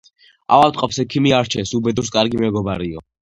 ავადმყოფს ექიმი არჩენს, უბედურს ─ კარგი მეგობარიო.